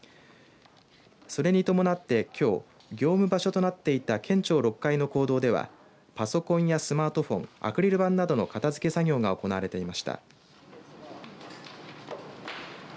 それに伴って、きょう業務場所となっていた県庁６階の講堂ではパソコンやスマートフォン、アクリル板などの片づけ作業が行われていました。